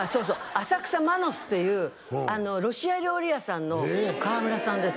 浅草マノスというロシア料理屋さんの川村さんです